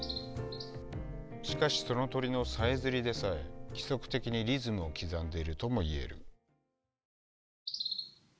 しかしその鳥のさえずりでさえ規則的にリズムを刻んでいるともいえる。